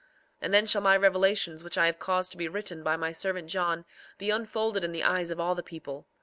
4:16 And then shall my revelations which I have caused to be written by my servant John be unfolded in the eyes of all the people.